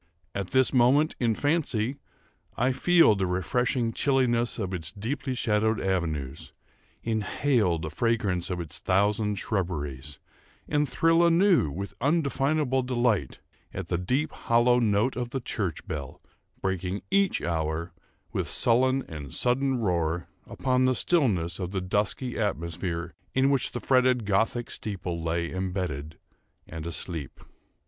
At this moment, in fancy, I feel the refreshing chilliness of its deeply shadowed avenues, inhale the fragrance of its thousand shrubberies, and thrill anew with undefinable delight, at the deep hollow note of the church bell, breaking, each hour, with sullen and sudden roar, upon the stillness of the dusky atmosphere in which the fretted Gothic steeple lay imbedded and asleep.